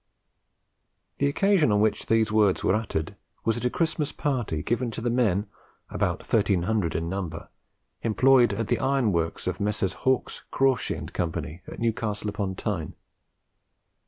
The occasion on which these words were uttered was at a Christmas party, given to the men, about 1300 in number, employed at the iron works of Messrs. Hawks, Crawshay, and Co., at Newcastle upon Tyne.